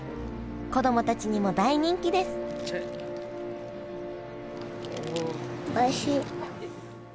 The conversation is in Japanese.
子供たちにも大人気ですおいしい。